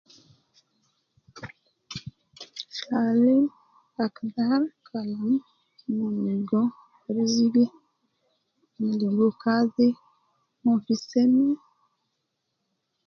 Taalim akdhar kalam mon ligo rizigi, mon ligo kazi, mon fi seme